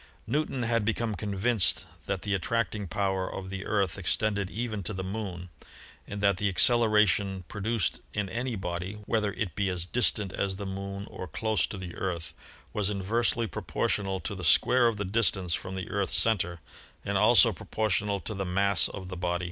Newton had become convinced that the attracting power of the Earth extended even to the Moon, and that the ac celeration produced in any body — whether it be as distant as the Moon or close to the Earth — was inversely propor tional to the square of the distance from the Earth's center and also proportional to the mass of the body.